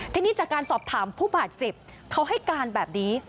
ทีนี้จากการสอบถามผู้บาดเจ็บเขาให้การแบบนี้